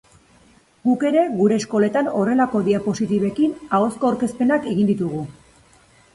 Guk ere gure eskoletan horrelako diapositibekin ahozko aurkezpenak egin ditugu.